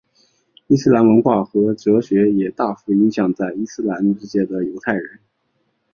伊斯兰文化和哲学也大幅影响在伊斯兰世界的犹太人。